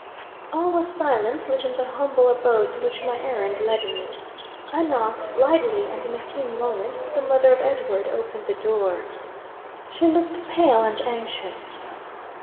All was silent within the humble abode to which my errand led me. I knocked lightly, and in a few moments the mother of Edward opened the door. She looked pale and anxious.